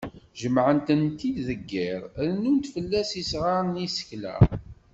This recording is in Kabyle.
Jemεent-t-id deg yiḍ, rennunt fell-as isγaren n yisekla.